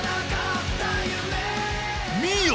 見よ！